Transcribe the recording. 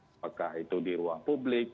apakah itu di ruang publik